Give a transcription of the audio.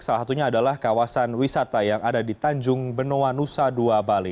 salah satunya adalah kawasan wisata yang ada di tanjung benoa nusa dua bali